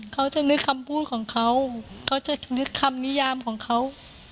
เขาจะนึกคำพูดของเขาเขาจะนึกคำนิยามของเขา